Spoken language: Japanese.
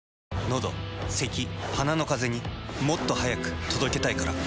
のどせき鼻のカゼにもっと速く届けたいから。